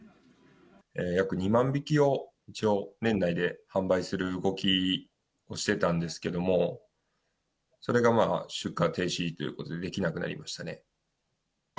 約２万匹を一応、年内で販売する動きをしてたんですけども、それが出荷停止ということで、できなくなりましたね。